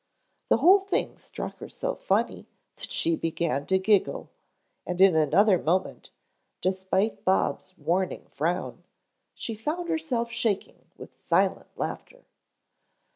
The whole thing struck her so funny that she began to giggle, and in another moment, despite Bob's warning frown, she found herself shaking with silent laughter.